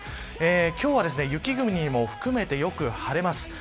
今日は雪国も含めてよく晴れます。